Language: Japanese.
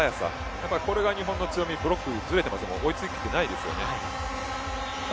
やっぱりこれは日本の強みブロックずれて追いついてないですよね。